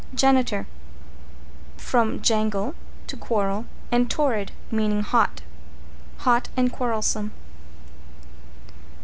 =JANITOR= From jangle, to quarrel, and torrid, meaning hot. Hot and quarrelsome.